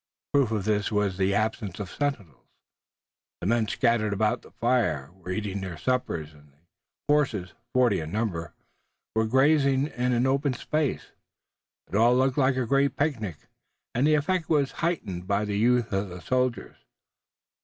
Proof of this was the absence of sentinels. The men, scattered about the fire, were eating their suppers and the horses, forty in number, were grazing in an open space. It all looked like a great picnic, and the effect was heightened by the youth of the soldiers.